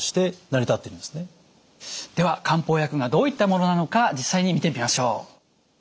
では漢方薬がどういったものなのか実際に見てみましょう。